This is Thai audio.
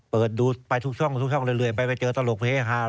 เผลอไปทุกช่องเรื่อยไปเจอตลกโพรธค่า